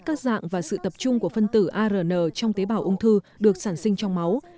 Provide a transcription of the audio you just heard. các dạng và sự tập trung của phân tử arn trong tế bào ung thư được sản sinh trong máu